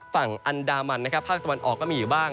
ฝั่งอันดามันนะครับภาคตะวันออกก็มีอยู่บ้าง